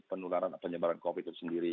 penularan penyebaran covid itu sendiri